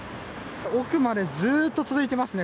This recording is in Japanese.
奥までずっと続いていますね。